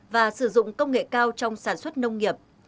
và sử dụng công nghệ cao trong sản xuất nông nghiệp